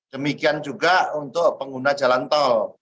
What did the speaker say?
demikian juga untuk pengguna jalan tol